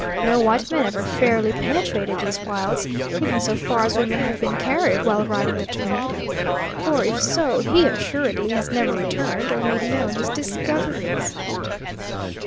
No white man ever fairly penetrated these wilds, even so far as we may have been carried while riding the tornado. Or, if so, he assuredly has never returned, or made known his discoveries."